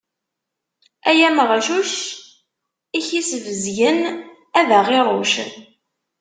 Ay ameɣcuc, i k-isbezgen ad ɣ-iṛuc.